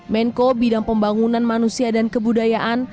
menko bidang pembangunan manusia dan kebudayaan